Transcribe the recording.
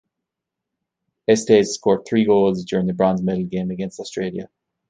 Estes scored three goals during the bronze medal game against Australia.